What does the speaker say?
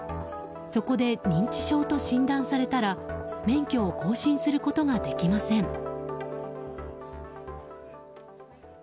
そこで認知症と診断されたら免許を更新することができません。